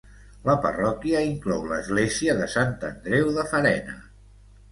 La parròquia inclou l'església de Sant Andreu de Farena.